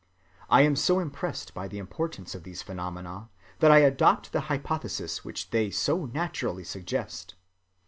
I am so impressed by the importance of these phenomena that I adopt the hypothesis which they so naturally suggest.